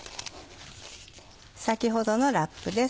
先ほどのラップです。